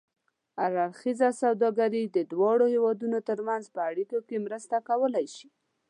اړخیزه سوداګري د دواړو هېوادونو ترمنځ په اړیکو کې مرسته کولای شي.